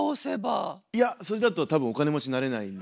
いやそれだと多分お金持ちになれないんで。